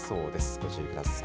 ご注意ください。